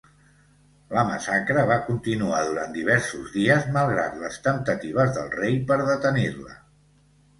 La massacre va continuar durant diversos dies malgrat les temptatives del rei per detenir-la.